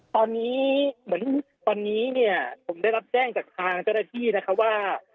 ตอนนี้เหมือนตอนนี้เนี่ยผมได้รับแจ้งจากทางเจ้าหน้าที่นะครับว่า